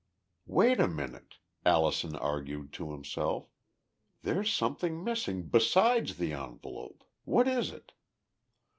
"Wait a minute," Allison argued to himself. "There's something missing besides the envelope! What is it?"